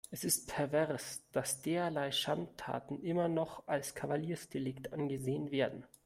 Es ist pervers, dass derlei Schandtaten immer noch als Kavaliersdelikt angesehen werden.